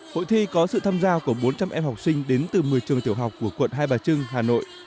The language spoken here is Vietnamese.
hội thi có sự tham gia của bốn trăm linh em học sinh đến từ một mươi trường tiểu học của quận hai bà trưng hà nội